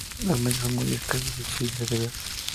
Los machos son muy escasos y difíciles de ver.